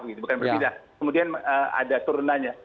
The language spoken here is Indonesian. bukan berpindah kemudian ada turunannya